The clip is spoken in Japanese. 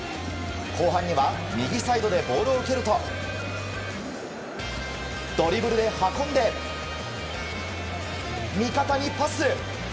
後半には右サイドでボールを受けるとドリブルで運んで味方にパス。